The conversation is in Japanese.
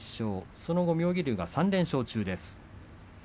その後、妙義龍が３連勝中です。